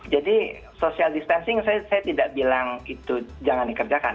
jadi social distancing saya tidak bilang itu jangan dikerjakan